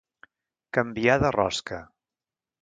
Canviar de rosca.